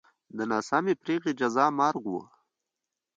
د ناسمې پرېکړې جزا مرګ و